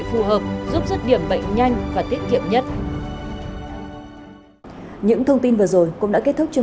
phù hợp giúp rứt điểm bệnh nhanh và tiết kiệm nhất những thông tin vừa rồi cũng đã kết thúc chương